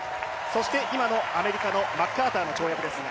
そして今のアメリカのマッカーターの跳躍です。